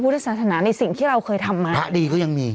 พุทธศาสนาในสิ่งที่เราเคยทำมา